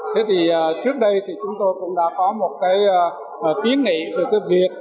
thế thì trước đây thì chúng tôi cũng đã có một cái tiến nghị